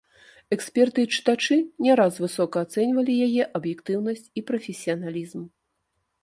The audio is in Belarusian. Эксперты і чытачы не раз высока ацэньвалі яе аб'ектыўнасць і прафесіяналізм.